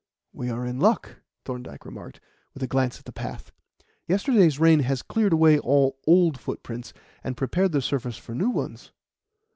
"We are in luck," Thorndyke remarked, with a glance at the path. "Yesterday's rain has cleared away all old footprints, and prepared the surface for new ones.